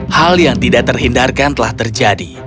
hal yang tidak terhindarkan telah terjadi